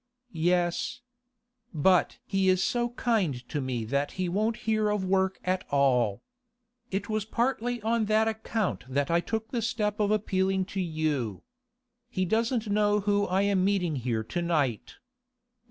'Yes. But he is so kind to me that he won't hear of work at all. It was partly on that account that I took the step of appealing to you. He doesn't know who I am meeting here to night.